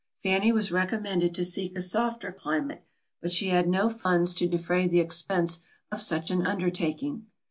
Fanny was recommended to seek a softer climate, but she had no funds to defray the expence of such an undertaking.